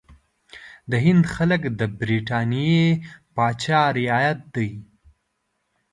د هند خلک د برټانیې پاچا رعیت دي.